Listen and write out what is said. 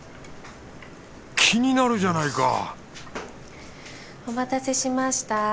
気になるじゃないかお待たせしました。